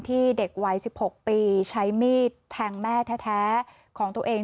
เด็กวัย๑๖ปีใช้มีดแทงแม่แท้ของตัวเอง